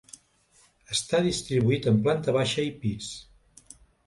Està distribuït en planta baixa i pis.